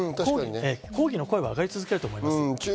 抗議の声は上がり続けると思います。